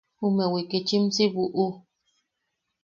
Jume wikichim si buʼu.